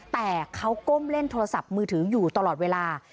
แต่เขาก้มเล่นโทรศัพท์มือถืออยู่ตลอดเวลา